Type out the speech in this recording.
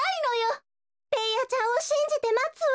ベーヤちゃんをしんじてまつわ。